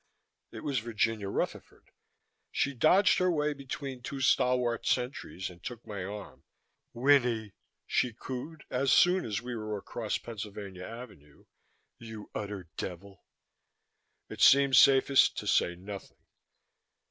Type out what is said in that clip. It was Virginia Rutherford. She dodged her way between two stalwart sentries and took my arm. "Winnie!" she cooed, as soon as we were across Pennsylvania Avenue, "you utter devil!" It seemed safest to say nothing.